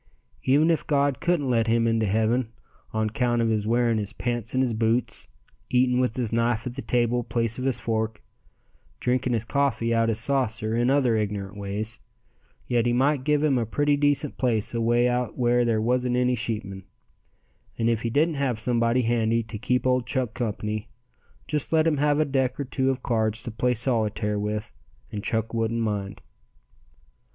Even if God couldn't let him into heaven on 'count of his wearing his pants in his boots, eating with his knife at the table place of his fork, drinking his coffee out his saucer and other ignorant ways, yet He might give him a pretty decent place away out where there wasn't any sheepmen, and if He didn't have somebody handy to keep old Chuck company just let him have a deck or two of cards to play solitaire with and Chuck wouldn't mind.